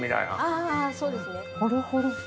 あそうですね。